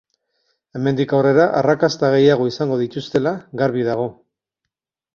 Hemendik aurrera arrakasta gehiago izango dituztela garbi dago.